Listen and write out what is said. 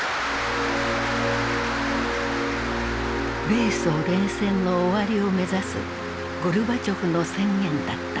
米ソ冷戦の終わりを目指すゴルバチョフの宣言だった。